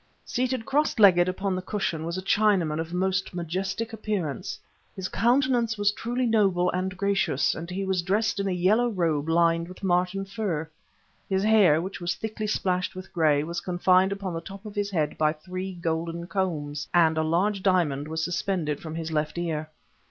Seated cross legged upon the cushion was a Chinaman of most majestic appearance. His countenance was truly noble and gracious and he was dressed in a yellow robe lined with marten fur. His hair, which was thickly splashed with gray, was confined upon the top of his head by three golden combs, and a large diamond was suspended from his left ear.